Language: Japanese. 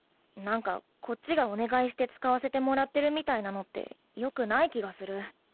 何かこっちがお願いして使わせてもらってるみたいなのってよくない気がする。